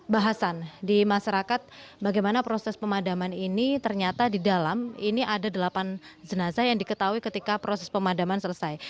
bahasan di masyarakat bagaimana proses pemadaman ini ternyata di dalam ini ada delapan jenazah yang diketahui ketika proses pemadaman selesai